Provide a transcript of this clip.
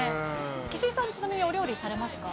岸井さん、ちなみにお料理されますか。